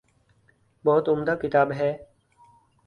بہت عمدہ کتاب ہے۔